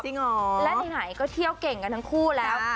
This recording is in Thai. จริงอ๋อและไหนไหนก็เที่ยวเก่งกันทั้งคู่แล้วค่ะ